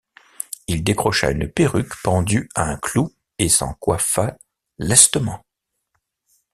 Il décrocha une perruque pendue à un clou et s’en coiffa lestement.